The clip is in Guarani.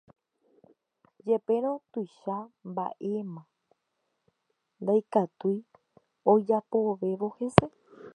Jepérõ upéicha mba'evéma ndaikatúi ojapovévo hese.